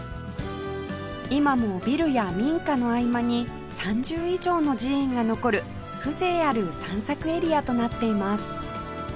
今もビルや民家の合間に３０以上の寺院が残る風情ある散策エリアとなっています